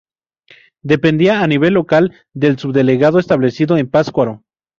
Dependía a nivel local del subdelegado establecido en Pátzcuaro.